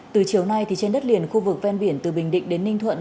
từ chiều nay trên đất liền khu vực ven biển từ bình định đến ninh thuận